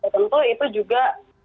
tentu itu juga